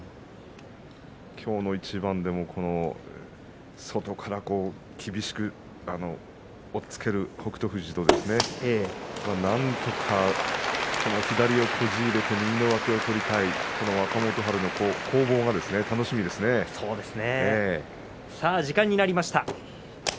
今日の一番でも外から厳しく押っつける北勝富士となんとか左をこじ入れて右の上手を取りたいさあ、時間になりました。